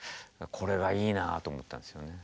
これがいいなあと思ったんですね。